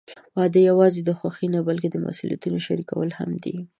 واده یوازې د خوښۍ نه، بلکې د مسوولیتونو شریکول هم دي.